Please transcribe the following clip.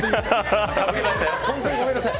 本当にごめんなさい。